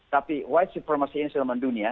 tapi white supremacy ini sudah mendunia